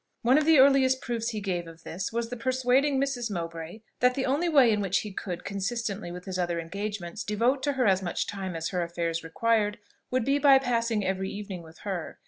One of the earliest proofs he gave of this, was the persuading Mrs. Mowbray that the only way in which he could, consistently with his other engagements, devote to her as much time as her affairs required, would be, by passing every evening with her.